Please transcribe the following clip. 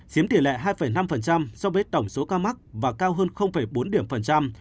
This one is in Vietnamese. chiếm tỷ lệ hai năm so với tổng số ca mắc và cao hơn bốn điểm phần trăm